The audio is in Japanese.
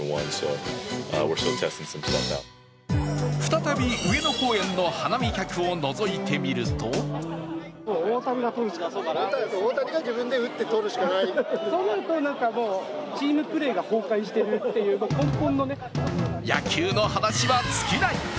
再び上野公園の花見客をのぞいてみると野球の話は尽きない。